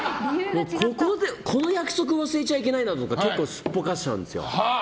この約束忘れちゃいけないとか結構、すっぽかしちゃうんです。